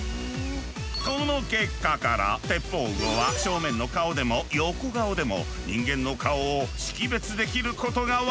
この結果からテッポウウオは正面の顔でも横顔でも人間の顔を識別できることが分かった。